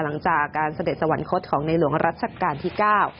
หลังจากการเสด็จสวรรคตของในหลวงรัชกาลที่เก้า